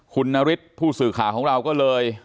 คุณนฤทธิ์ผู้สื่อข่าวของเราก็เลย